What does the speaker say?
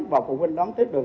và phụ huynh đón tiếp được